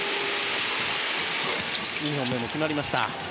２本目も決まりました。